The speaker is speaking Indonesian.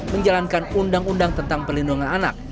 menjalankan undang undang tentang pelindungan anak